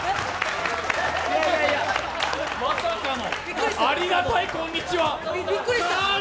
まさかの、ありがたい「こんにーちはー」